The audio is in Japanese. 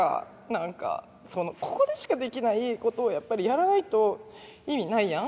なんかそのここでしかできないことをやっぱりやらないと意味ないやん。